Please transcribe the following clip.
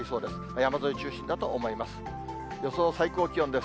山沿いを中心だと思います。